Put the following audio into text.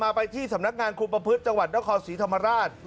มาไปที่สำนักงานครูปภึตจังหวัดเดาคอศรีธามราช